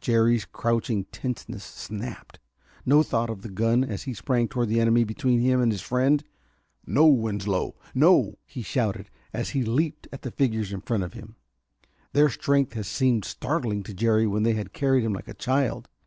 Jerry's crouching tenseness snapped. No thought of the gun as he sprang toward the enemy between him and his friend. "No, Winslow no!" he shouted as he leaped at the figures in front of him. Their strength had seemed startling to Jerry when they had carried him like a child.